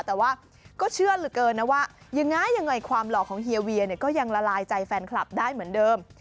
แต่ว่าก็เชื่อเหลือเกินนะว่ายังไงยังไงความหล่อของเฮียเวียเนี่ยก็ยังละลายใจแฟนคลับได้เหมือนเดิม